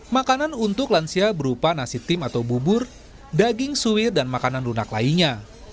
makanan untuk lansia berupa nasi tim atau bubur daging suwir dan makanan lunak lainnya